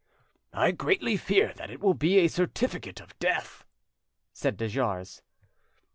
"I greatly fear that it will be a certificate of death," said de Jars.